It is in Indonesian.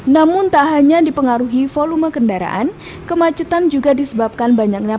namun tak hanya dipengaruhi volume kendaraan kemacetan juga disebabkan banyaknya